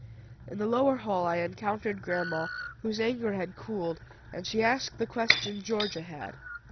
In the lower hall I encountered grandma, whose anger had cooled, and she asked the question Georgia had.